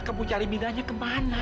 kamu cari miranya kemana